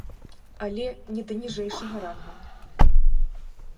Але не да ніжэйшага рангам!